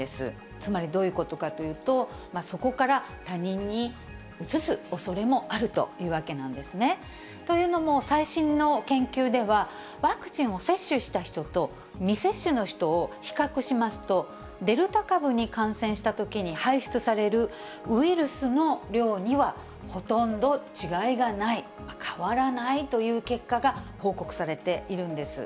つまりどういうことかというと、そこから他人にうつすおそれもあるというわけなんですね。というのも、最新の研究では、ワクチンを接種した人と、未接種の人を比較しますと、デルタ株に感染したときに排出されるウイルスの量には、ほとんど違いがない、変わらないという結果が報告されているんです。